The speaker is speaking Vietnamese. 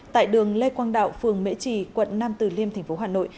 tại đường lê quang đạo phường mễ trì quận năm từ liêm tp hà nội